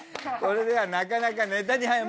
これではなかなかネタに。